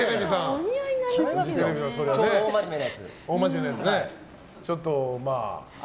超大真面目なやつ。